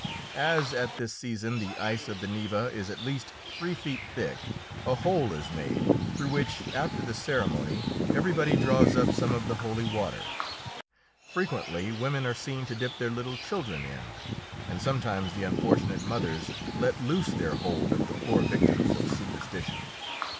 As at this season the ice of the Neva is at least three feet thick, a hole is made through which, after the ceremony, everybody draws up some of the holy water. Frequently women are seen to dip their little children in, and sometimes the unfortunate mothers let loose their hold of the poor victims of superstition.